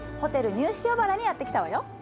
ニュー塩原にやって来たわよ。